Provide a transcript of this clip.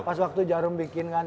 pas waktu jarum bikin kan